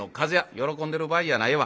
喜んでる場合やないわ。